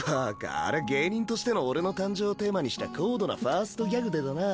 ありゃ「芸人としての俺の誕生」をテーマにした高度なファーストギャグでだな。